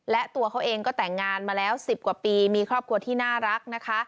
และตัวเขาเองก็แต่งงานมาแล้ว๑๐กว่าปีมีครอบครัวที่น่ารักนะคะ